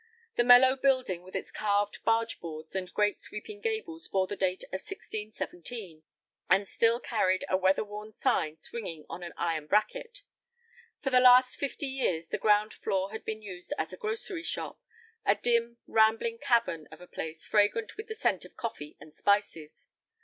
The mellow building with its carved barge boards and great sweeping gables bore the date of 1617, and still carried a weather worn sign swinging on an iron bracket. For the last fifty years the ground floor had been used as a grocery shop, a dim, rambling cavern of a place fragrant with the scent of coffee and spices.